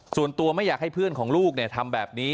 ส่วนตัวไม่อยากให้เพื่อนของลูกทำแบบนี้